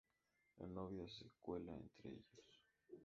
La Novia se cuela entre ellos.